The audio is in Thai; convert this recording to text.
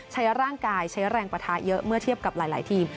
ใช้ร่างกายใช้แรงปะทะเยอะเมื่อเทียบกับหลายทีม